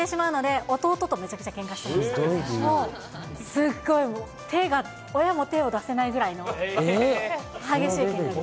すっごい、もう、親も手を出せないぐらいの激しいけんかでした。